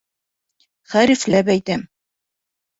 Хәрефләп әйтәм.